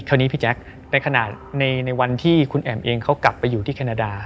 คราวนี้พี่แจ๊คในขณะในวันที่คุณแอมเองเขากลับไปอยู่ที่แคนาดา